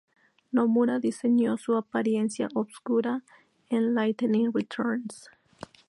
Nomura diseño su apariencia obscura en "Lightning Returns".